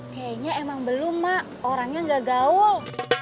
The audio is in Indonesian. kayaknya emang belum mak orangnya gak gaul